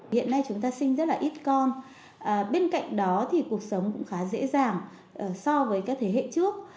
hiện nay chúng ta sinh rất là ít con bên cạnh đó thì cuộc sống cũng khá dễ dàng so với các thế hệ trước